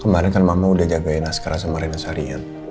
kemarin kan mama udah jagain askara sama rena seharian